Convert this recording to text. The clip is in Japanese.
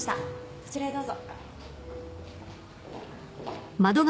こちらへどうぞ。